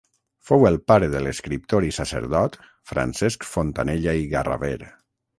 Fou el pare de l'escriptor i sacerdot Francesc Fontanella i Garraver.